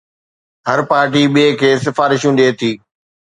هر party ٻئي کي سفارشون ڏئي ٿي